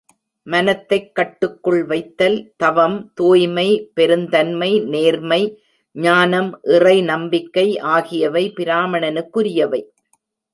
மனத்தைக் கட்டுக்குள் வைத்தல், தவம், தூய்மை, பெருந்தன்மை, நேர்மை, ஞானம், இறை நம்பிக்கை ஆகியவை பிராமணனுக்குரியவை.